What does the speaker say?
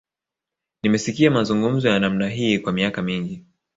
Nimesikia mazungumzo ya namna hii kwa miaka mingi